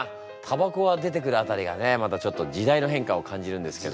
たばこが出てくる辺りがねまたちょっと時代の変化を感じるんですけど。